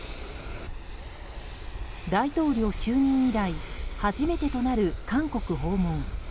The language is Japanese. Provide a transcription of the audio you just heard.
大統領就任以来初めてとなる韓国訪問。